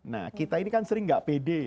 nah kita ini kan sering nggak pede ya